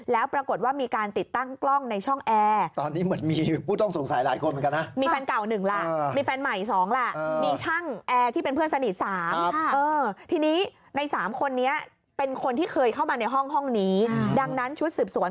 แล้วปรากฏว่ามีการติดตั้งกล้องในช่องแอร์